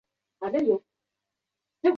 一些新的疗法也正在开发之中。